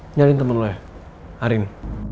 eh nyariin temen lo ya karin